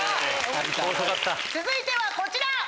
続いてはこちら。